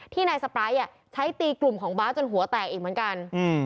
นายสไปร์ใช้ตีกลุ่มของบาสจนหัวแตกอีกเหมือนกัน